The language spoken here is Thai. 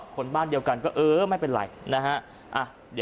คนบ้านเดียวกันก็เออไม่เป็นไรนะฮะ